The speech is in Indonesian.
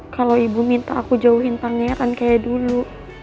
kalau ibu minta aku jauhin pangeran kayak dulu